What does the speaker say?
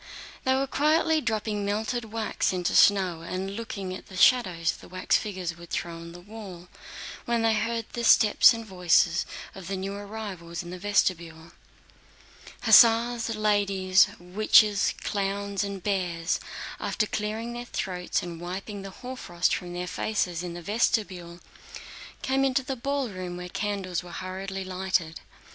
They were quietly dropping melted wax into snow and looking at the shadows the wax figures would throw on the wall, when they heard the steps and voices of new arrivals in the vestibule. Hussars, ladies, witches, clowns, and bears, after clearing their throats and wiping the hoarfrost from their faces in the vestibule, came into the ballroom where candles were hurriedly lighted.